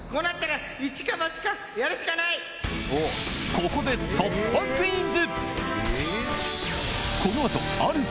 ここで突破クイズ！